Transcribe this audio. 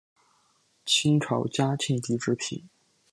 清朝嘉庆帝之嫔。